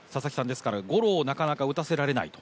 ゴロをなかなか打たせられないと。